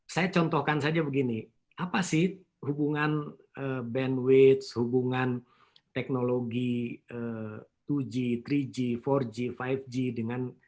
saya contohkan saja begini apa sih hubungan bandwidth hubungan teknologi dua g tiga g empat g lima g dengan